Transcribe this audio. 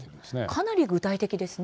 かなり具体的ですね。